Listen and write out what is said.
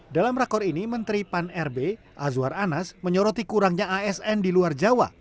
dalam rakor ini menteri pan rb azwar anas menyoroti kurangnya asn di luar jawa